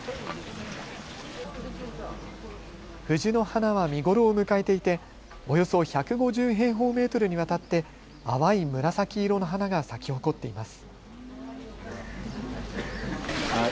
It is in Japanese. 藤の花は見頃を迎えていておよそ１５０平方メートルにわたって淡い紫色の花が咲き誇っています。